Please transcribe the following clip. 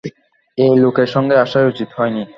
এই লোকের সঙ্গে আসাই উচিত হয় নি।